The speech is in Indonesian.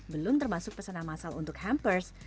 belum termasuk pesanan masal untuk hampers